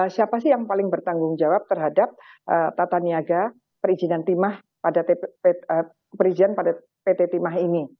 siapa sih yang paling bertanggung jawab terhadap tata niaga perizinan timah pada perizinan pada pt timah ini